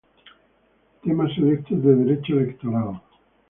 Temas Selectos de Derecho Electoral.